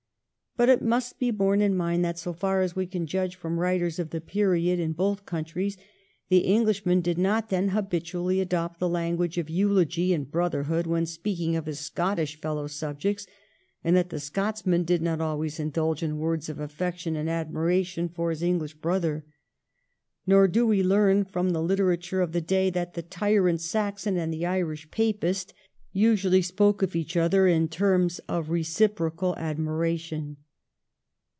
But it must be borne in mind that, so far as we can judge from writers of the period in both countries, the Englishman did not then habitually adopt the language of eulogy and brother hood when speaking of his Scottish fellow subjects, and that the Scotsman did not always indulge in words of affection and admiration for his EngUsh brother. Nor do we learn from the literature of the day that the ' tyrant Saxon ' and the ' Irish Papist ' usually spoke of each other in terms of reciprocal admiration.